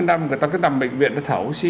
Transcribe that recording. người ta cứ nằm bệnh viện thở oxy